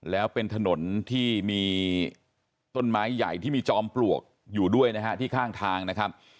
แล้วเป็นถนนที่มีต้นไม้ใหญ่ที่มีจอมปลวกอยู่ด้วยนะฮะที่ข้างทางนะครับ